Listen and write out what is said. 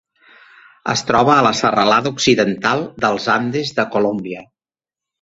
Es troba a la serralada Occidental dels Andes de Colòmbia.